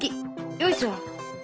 よいしょ。